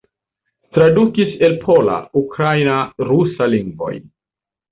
Tradukis el pola, ukraina, rusa lingvoj.